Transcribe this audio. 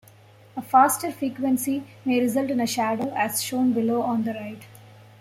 A faster frequency may result in a shadow, as shown below on the right.